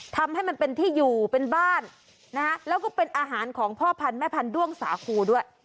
ทำให้มันเป็นที่อยู่เป็นบ้านนะฮะแล้วก็เป็นอาหารของพ่อพันธ์แม่พันธ้วงสาคูด้วย